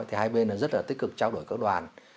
thì hai bên rất là tích cực trao đổi các đoàn